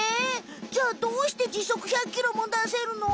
じゃあどうして時速１００キロもだせるの？